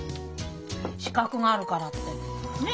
資格があるからってねえ？